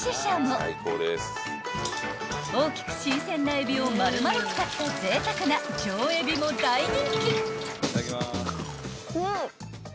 ［大きく新鮮なエビを丸々使ったぜいたくな上エビも大人気］